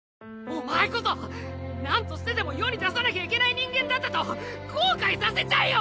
お前こそなんとしてでも世に出さなきゃいけない人間だったと後悔させちゃえよ！